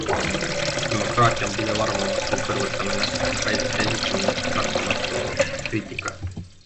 Demokraatia on pidev arvamuste kõrvutamine, väidete esitamine, lakkamatu kriitika.